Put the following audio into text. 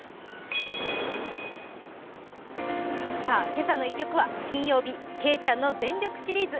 今朝の一曲は、金曜日けいちゃんの全力シリーズ。